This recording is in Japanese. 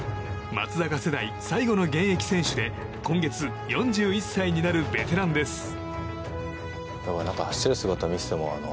松坂世代、最後の現役選手で今月、４１歳になるベテランです。